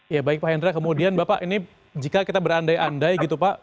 ya baik pak hendra kemudian bapak ini jika kita berandai andai gitu pak